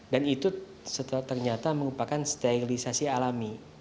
dan itu ternyata merupakan sterilisasi alami